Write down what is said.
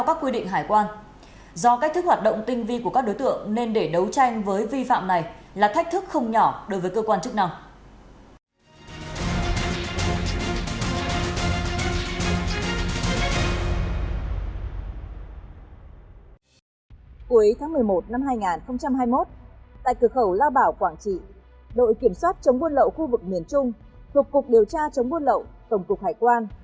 cuối tháng một mươi một năm hai nghìn hai mươi một tại cửa khẩu lao bảo quảng trị đội kiểm soát chống buôn lậu khu vực miền trung thuộc cục điều tra chống buôn lậu tổng cục hải quan